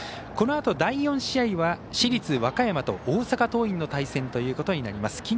このあと第４試合は市立和歌山と大阪桐蔭の対戦となります。